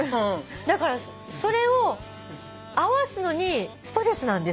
だからそれを合わすのにストレスなんですよ。